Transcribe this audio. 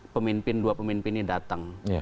pemimpin dua pemimpin ini datang